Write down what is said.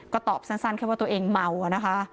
ก็ตอบสั้นแค่ว่าตัวเองเมาอะนะคะ